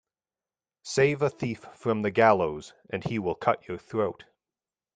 Save a thief from the gallows and he will cut your throat.